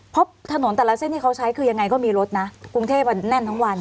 เพราะถนนแต่ละเส้นที่เขาใช้คือยังไงก็มีรถนะกรุงเทพแน่นทั้งวัน